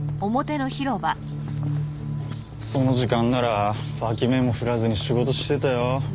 その時間なら脇目も振らずに仕事してたよ。